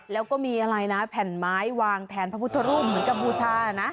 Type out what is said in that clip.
แล้วก็มีอะไรนะแผ่นไม้วางแทนพระพุทธรูปเหมือนกับบูชานะ